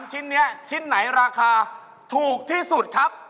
ชิ้นนี้ชิ้นไหนราคาถูกที่สุดครับ